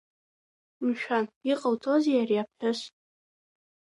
Мшәан, иҟалҵозеи ари аԥҳәыс?